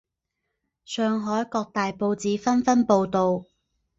上海各大报纸纷纷报道。